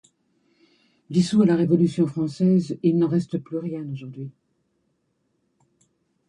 Dissout à la Révolution française, il n'en reste plus rien aujourd'hui.